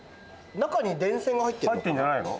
中に電線が入ってるんじゃないの？